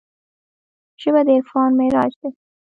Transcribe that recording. ژبه د عرفان معراج دی